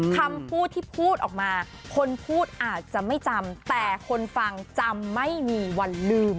คำพูดที่พูดออกมาคนพูดอาจจะไม่จำแต่คนฟังจำไม่มีวันลืม